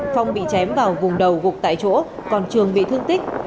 phong bị chém vào vùng đầu gục tại chỗ còn trường bị thương tích